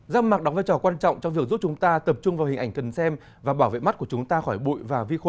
rác mạc đóng vai trò quan trọng trong việc giúp chúng ta tập trung vào hình ảnh cần xem và bảo vệ mắt của chúng ta khỏi bụi và vi khuẩn